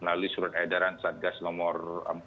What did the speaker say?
melalui surat edaran satgas nomor empat